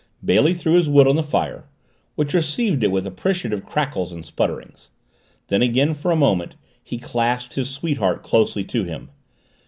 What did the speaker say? Bailey threw his wood on the fire, which received it with appreciative crackles and sputterings. Then again, for a moment, he clasped his sweetheart closely to him.